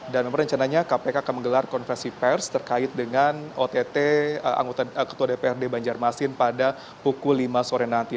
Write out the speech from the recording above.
dan memang rencananya kpk akan menggelar konversi pers terkait dengan ott anggota ketua dprd banjarmasin pada pukul lima sore nanti